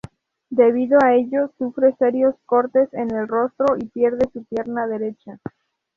Debido a ello, sufre serios cortes en el rostro y pierde su pierna derecha.